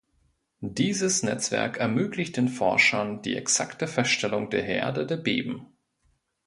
Dieses Netzwerk ermöglicht den Forschern die exakte Feststellung der Herde der Beben.